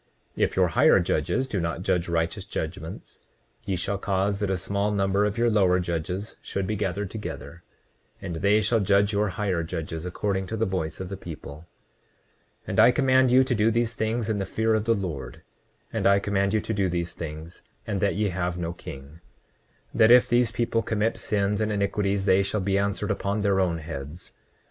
29:29 If your higher judges do not judge righteous judgments, ye shall cause that a small number of your lower judges should be gathered together, and they shall judge your higher judges, according to the voice of the people. 29:30 And I command you to do these things in the fear of the Lord; and I command you to do these things, and that ye have no king; that if these people commit sins and iniquities they shall be answered upon their own heads.